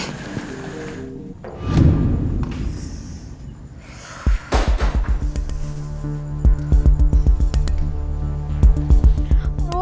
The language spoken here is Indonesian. coba aku cek dulu deh